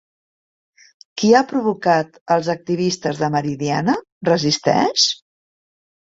Qui ha provocat als activistes de Meridiana Resisteix?